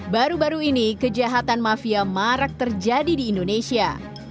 baru baru ini kejahatan mafia marak terjadi di indonesia